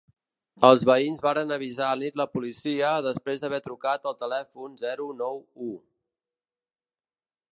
Els veïns varen avisar anit la policia després d’haver trucat al telèfon zero nou u.